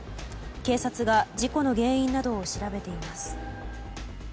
警察が事故の原因などを調べています。